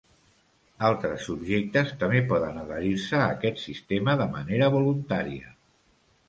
Altres subjectes també poden adherir-se a aquest sistema de manera voluntària.